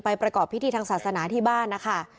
ประกอบพิธีทางศาสนาที่บ้านนะคะ